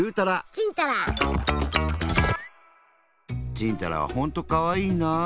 ちんたらはほんとかわいいなあ。